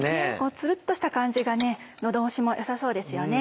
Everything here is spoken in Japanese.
つるっとした感じが喉越しも良さそうですよね。